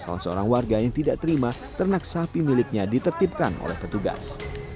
salah seorang warga yang tidak terima ternak sapi miliknya ditertipkan oleh petugas